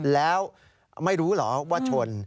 แล้วไม่รู้เหรอว่าชน